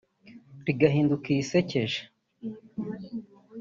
rigahinduka irisekeje